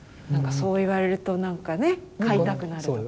そう言われるとなんかね買いたくなる。